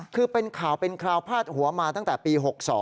คือเป็นข่าวเป็นคราวพาดหัวมาตั้งแต่ปี๖๒